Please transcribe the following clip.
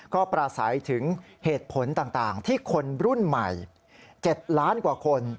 ก็ประสัยถึงเหตุผลต่างที่คนรุ่นใหม่๗ล้านกว่าคน